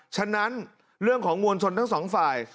ฉะนั้นเรื่องของมวลชนทั้งสองฝ่าย